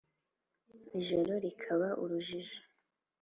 ijoro rikaba urujijo